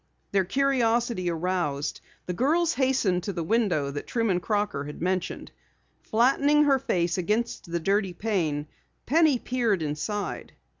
Their curiosity aroused, the girls hastened to the window that Truman Crocker had mentioned. Flattening her face against the dirty pane, Penny peered inside.